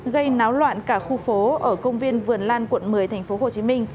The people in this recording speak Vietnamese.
gây náo loạn cả khu phố ở công viên vườn lan quận một mươi tp hcm